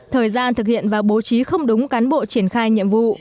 thời gian thực hiện và bố trí không đúng cán bộ triển khai nhiệm vụ